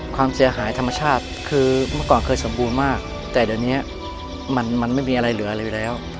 ความเสียหายธรรมชาติคือเมื่อก่อนเคยสมบูรณ์มากแต่เดี๋ยวนี้มันไม่มีอะไรเหลืออะไรอยู่แล้ว